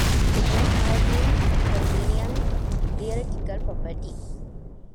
It may have been convenient theatrical property.